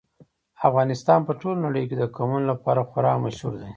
افغانستان په ټوله نړۍ کې د قومونه لپاره خورا مشهور دی.